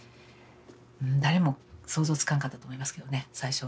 誰も想像つかんかったと思いますけどね最初は。